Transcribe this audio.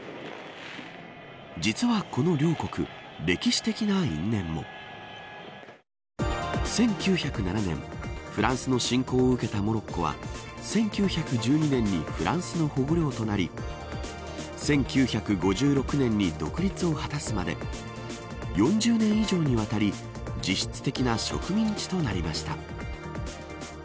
実はこの両国歴史的ない因縁も１９０７年フランスの侵攻を受けたモロッコは１９１２年にフランスの保護領となり１９５６年に独立を果たすまで４０年以上にわたり実質的な植民地となりました。